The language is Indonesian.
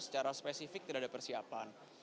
secara spesifik tidak ada persiapan